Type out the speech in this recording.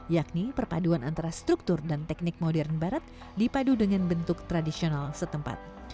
yakni perpaduan antara struktur dan teknik modern barat dipadu dengan bentuk tradisional setempat